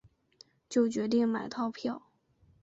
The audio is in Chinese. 就决定买套票